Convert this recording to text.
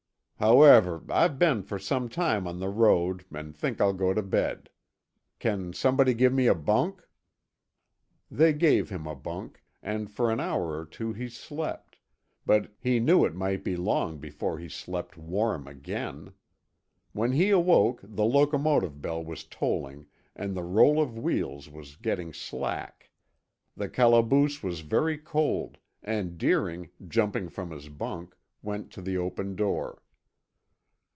However, I've been for some time on the road and think I'll go to bed. Can somebody give me a bunk?" They gave him a bunk, and for an hour or two he slept; he knew it might be long before he slept warm again. When he awoke the locomotive bell was tolling and the roll of wheels was getting slack. The calaboose was very cold, and Deering, jumping from his bunk, went to the open door.